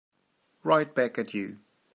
Right back at you.